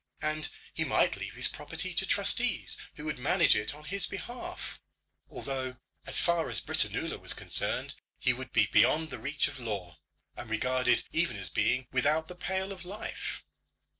And he might leave his property to trustees who would manage it on his behalf; although, as far as Britannula was concerned, he would be beyond the reach of law, and regarded even as being without the pale of life.